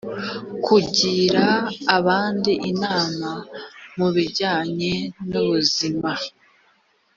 kugira abandi inama mu bijyanye n’ubuzima